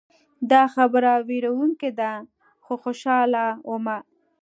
دا خبره ویروونکې ده خو خوشحاله ومه.